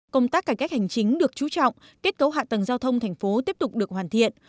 công tác cải cách hành chính được chú trọng kết cấu hạ tầng giao thông thành phố tiếp tục được hoàn thiện